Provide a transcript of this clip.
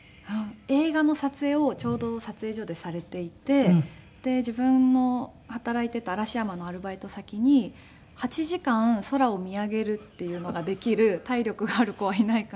映画の撮影をちょうど撮影所でされていてで自分の働いていた嵐山のアルバイト先に８時間空を見上げるっていうのができる体力がある子はいないかっていう話が。